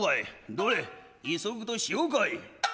どれ急ぐとしようかい！」。